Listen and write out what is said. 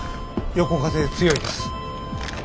横風強いです。